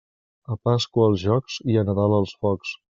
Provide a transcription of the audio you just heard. A Pasqua els jocs i a Nadal els focs.